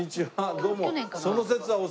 どうも。